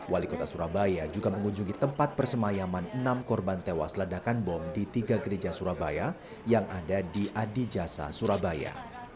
wali kota surabaya juga mengunjungi tempat persemayaman enam korban tewas ledakan bom di tiga gereja surabaya yang ada di adijasa surabaya